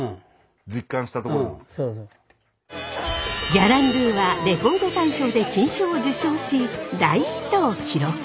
「ギャランドゥ」はレコード大賞で金賞を受賞し大ヒットを記録。